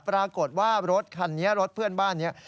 ปรากฏว่ารถคันนี้รถเพื่อนบ้านนี้